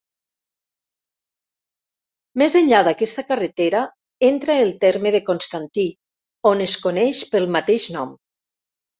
Més enllà d'aquesta carretera entra al terme de Constantí, on es coneix pel mateix nom.